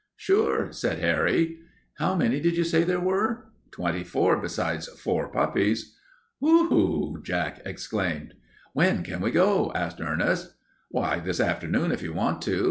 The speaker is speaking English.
"Sure," said Harry. "How many did you say there were?" "Twenty four besides four puppies." "Whew!" Jack exclaimed. "When can we go?" asked Ernest. "Why, this afternoon, if you want to.